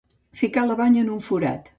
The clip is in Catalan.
Ficar la banya en un forat.